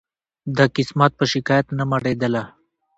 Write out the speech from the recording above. د قسمت په شکایت نه مړېدله